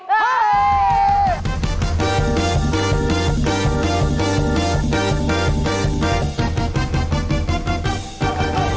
เฮ้ย